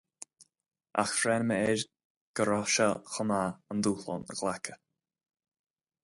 Ach bhreathnaigh mé air go raibh sé chomh maith an dúshlán a ghlacadh.